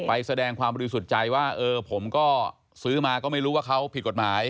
แสดงความบริสุทธิ์ใจว่าเออผมก็ซื้อมาก็ไม่รู้ว่าเขาผิดกฎหมาย